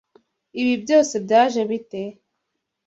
Ibi byose byaje bite?